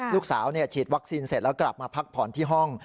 ฉีดวัคซีนเสร็จแล้วกลับมาพักผ่อนที่ห้อง